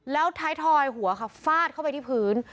แล้วท้ายทอยหัวค่ะฟาดเข้าไปที่พื้น